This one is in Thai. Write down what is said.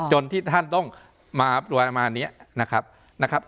จนที่ท่านต้องมารับสบายมารกษ์เนี่ยนะครับ